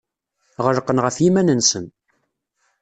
Ɣelqen ɣef yiman-nsen.